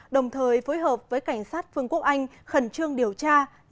đồng thời phối hợp với cảnh sát vương quốc anh khẩn trương điều tra làm rõ vụ